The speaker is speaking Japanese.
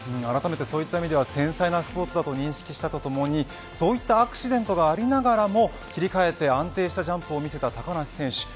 あらためてそういった意味では繊細なスポーツだと認識したとともにそういったアクシデントがありながらも切り替えて安定したジャンプを見せた高梨選手。